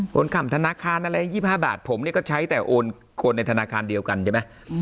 ขนขำธนาคารอะไร๒๕บาทผมเนี่ยก็ใช้แต่โอนคนในธนาคารเดียวกันใช่ไหม